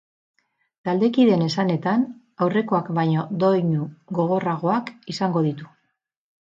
Taldekideen esanetan, aurrekoak baino doinu gogorragoak izango ditu.